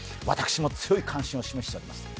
私も強い関心を示しております。